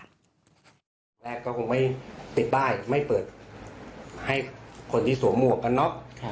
แรกก็คงไม่ติดป้ายไม่เปิดให้คนที่สวมหมวกกันน็อก